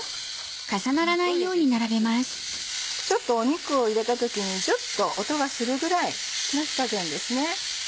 肉を入れた時にジュっと音がするぐらいの火加減ですね。